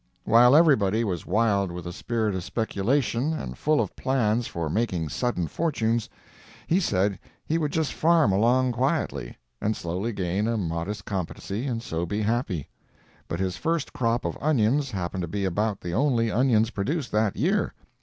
While everybody was wild with a spirit of speculation, and full of plans for making sudden fortunes, he said he would just farm along quietly, and slowly gain a modest competency, and so be happy. But his first crop of onions happened to be about the only onions produced that year.